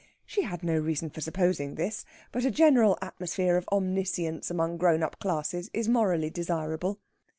She had no reason for supposing this; but a general atmosphere of omniscience among grown up classes is morally desirable.